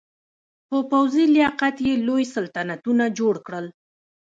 په پوځي لیاقت یې لوی سلطنتونه جوړ کړل.